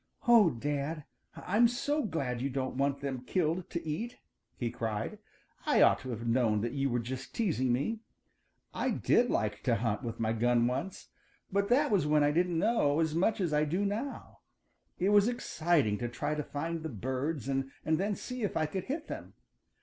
"Oh, Dad, I'm so glad you don't want them killed to eat!" he cried. "I ought to have known that you were just teasing me. I did like to hunt with my gun once, but that was when I didn't know as much as I do now. It was exciting to try to find the birds and then see if I could hit them.